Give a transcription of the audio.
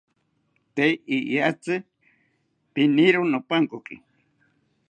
Tee iyatzi piniro nopankoki